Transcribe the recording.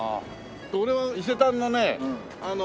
俺は伊勢丹のね